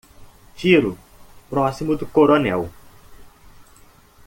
Tiro próximo do coronel.